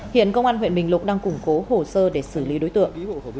hiện công an huyện bình lục đang củng cố hồ sơ để xử lý đối tượng